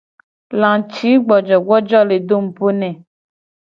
Lacigbojogbojo le do nupo ne.